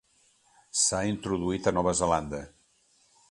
S'ha introduït a Nova Zelanda.